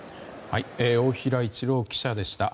大平一郎記者でした。